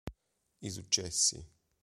I successi